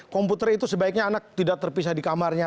komputer itu sebaiknya anak tidak terpisah di kamarnya